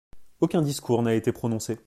Aucun discours n'a été prononcé.